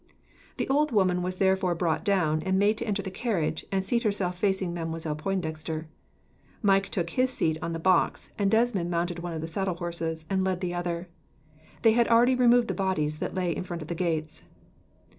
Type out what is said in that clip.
The old woman was therefore brought down, and made to enter the carriage, and seat herself facing Mademoiselle Pointdexter. Mike took his seat on the box, and Desmond mounted one of the saddle horses, and led the other. They had already removed the bodies that lay in front of the gates.